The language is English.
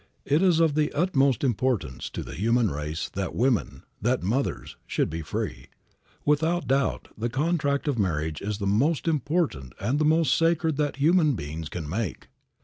It is of the utmost importance to the human race that women, that mothers, should be free. Without doubt, the contract of marriage is the most important and the most sacred that human beings can make.